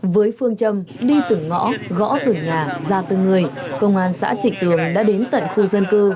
với phương châm đi từng ngõ gõ từng nhà ra từng người công an xã trịnh tường đã đến tận khu dân cư